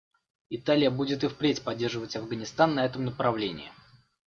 Италия будет и впредь поддерживать Афганистан на этом направлении.